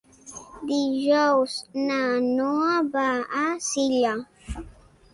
Dijous na Noa va a Silla.